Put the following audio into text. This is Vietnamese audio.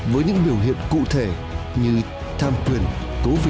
với những biểu hiện cụ thể như tham quyền cố vị